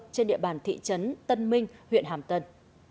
trên địa bàn thị trấn tân minh huyện hàm tân